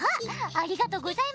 ありがとうございます。